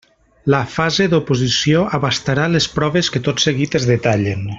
La fase d'oposició abastarà les proves que tot seguit es detallen.